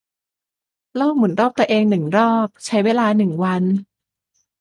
โลกหมุนรอบตัวเองหนึ่งรอบใช้เวลาหนึ่งวัน